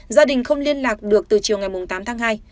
gia đình không liên lạc được từ chiều ngày tám tháng hai